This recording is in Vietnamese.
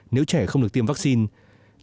nếu trẻ không được tiêm vaccine